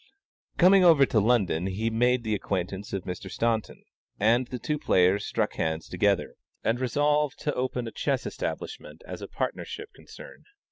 Coming over to London, he made the acquaintance of Mr. Staunton, and the two players struck hands together, and resolved to open a chess establishment as a partnership concern.